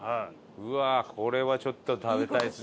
うわこれはちょっと食べたいですね。